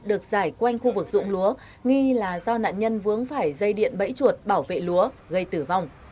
được giải quanh khu vực dụng lúa nghi là do nạn nhân vướng phải dây điện bẫy chuột bảo vệ lúa gây tử vong